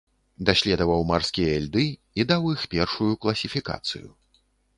Даследаваў марскія льды і даў іх першую класіфікацыю.